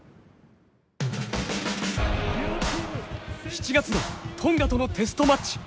７月のトンガとのテストマッチ。